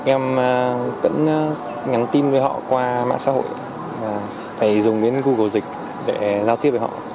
em vẫn nhắn tin với họ qua mạng xã hội và phải dùng đến google dịch để giao tiếp với họ